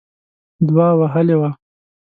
دوه وهلې وه.